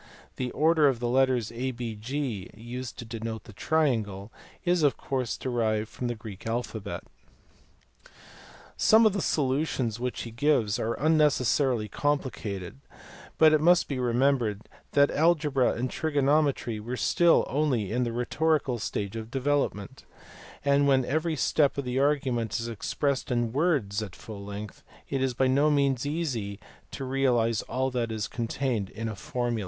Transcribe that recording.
The order of the letters ABG, used to denote the triangle, is of course derived from the Greek alphabet. Some of the solutions which he gives are unnecessarily complicated, but it must be remembered that algebra and trigonometry were still only in the rhetorical stage of develop ment, and when every, step of the argument is expressed in words at full length it is by no means easy to realise all that is contained in a formula.